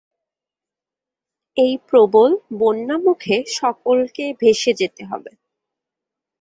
এই প্রবল বন্যামুখে সকলকে ভেসে যেতে হবে।